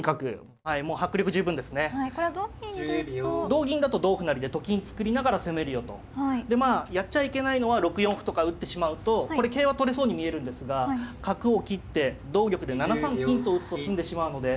同銀だと同歩成でと金作りながら攻めるよと。でやっちゃいけないのは６四歩とか打ってしまうとこれ桂は取れそうに見えるんですが角を切って同玉で７三金と打つと詰んでしまうので。